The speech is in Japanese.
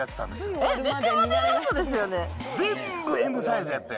えっ、全部Ｍサイズやってん。